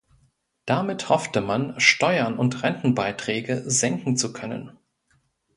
Damit hoffte man, Steuern und Rentenbeiträge senken zu können.